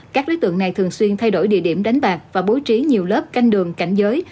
các đối tượng này thường xuyên thay đổi địa điểm đánh bạc và bố trí nhiều lớp canh đường cảnh giới